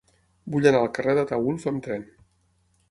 Vull anar al carrer d'Ataülf amb tren.